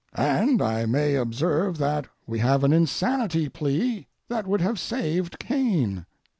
And I may observe that we have an insanity plea that would have saved Cain.